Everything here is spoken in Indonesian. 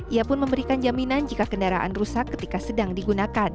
ia pun memberikan jaminan jika kendaraan rusak ketika sedang digunakan